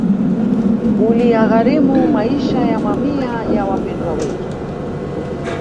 Uliyagharimu maisha ya mamia ya Wapendwa Wetu